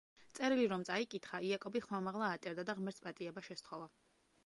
წერილი რომ წაიკითხა, იაკობი ხმამაღლა ატირდა და ღმერთს პატიება შესთხოვა.